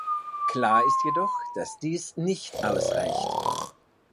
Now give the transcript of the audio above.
Klar ist jedoch, dass dies nicht ausreicht.